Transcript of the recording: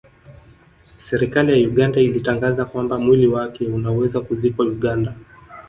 Serikali ya Uganda ilitangaza kwamba mwili wake unaweza kuzikwa Uganda